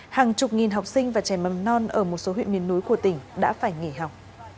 hàng chục nghìn học sinh và trẻ mầm non ở một số huyện miền núi của tỉnh đã phải nghỉ học